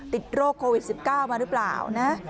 ติดโรคโควิด๑๙มาหรือเปล่านะ